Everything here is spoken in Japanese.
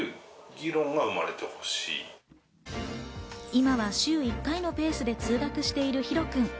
今は週１回のペースで通学しているヒロくん。